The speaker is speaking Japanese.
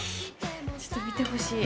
ちょっと見てほしい。